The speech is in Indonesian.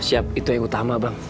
siap itu yang utama bang